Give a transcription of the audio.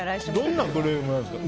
どんなクレームなんですか。